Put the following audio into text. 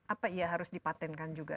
apa ya harus dipatenkan juga